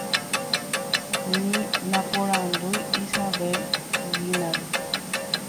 ni naporandúi Isabelinare